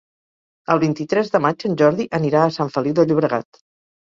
El vint-i-tres de maig en Jordi anirà a Sant Feliu de Llobregat.